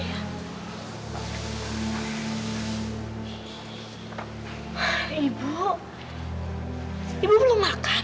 kayanya di fatah sudah datang